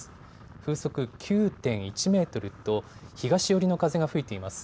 風速９．１メートルと、東寄りの風が吹いています。